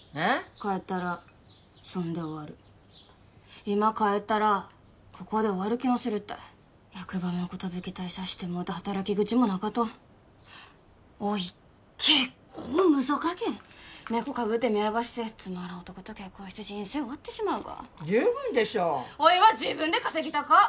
帰ったらそんで終わる今帰ったらここで終わる気のするったい役場も寿退社してもうて働き口もなかとおい結構むぞかけん猫かぶって見合いばしてつまらん男と結婚して人生終わってしまうが十分でしょおいは自分で稼ぎたか！